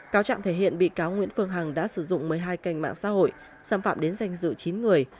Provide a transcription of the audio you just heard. cáo trạng thể hiện bị cáo nguyễn phương hằng đã sử dụng một mươi hai kênh mạng xã hội xâm phạm đến danh dự chín người